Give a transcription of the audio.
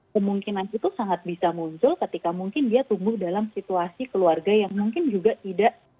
kemungkinan itu sangat bisa muncul ketika mungkin dia tumbuh dalam situasi keluarga yang mungkin juga tidak